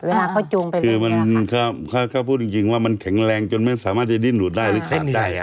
เวลาเขาจูงไปเลยคือมันก็พูดจริงว่ามันแข็งแรงจนไม่สามารถจะดิ้นหลุดได้หรือเข็นได้